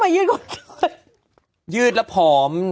ยืดแล้วผอม